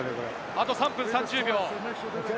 あと３分３０秒。